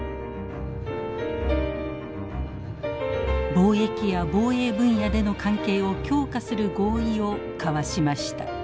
貿易や防衛分野での関係を強化する合意を交わしました。